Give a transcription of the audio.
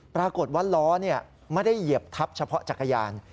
ปรากฏว่าล้อไม่ได้เหยียบทับเฉพาะจักรยาน